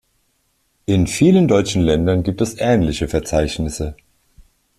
In vielen deutschen Ländern gibt es ähnliche Verzeichnisse.